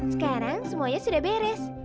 sekarang semuanya sudah beres